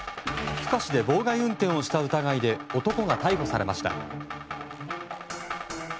福岡市で妨害運転をした疑いで男が逮捕されました。